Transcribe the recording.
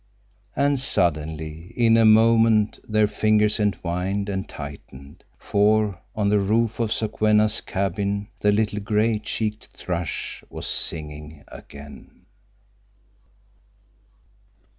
And suddenly, in a moment, their fingers entwined and tightened, for on the roof of Sokwenna's cabin the little gray cheeked thrush was singing again.